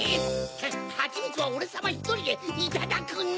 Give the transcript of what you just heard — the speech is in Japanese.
ハチミツはオレさまひとりでいただくの！